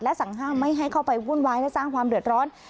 สั่งห้ามไม่ให้เข้าไปวุ่นวายและสร้างความเดือดร้อน